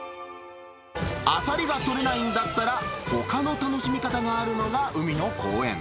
アサリが取れないんだったら、ほかの楽しみ方があるのが海の公園。